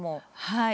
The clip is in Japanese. はい。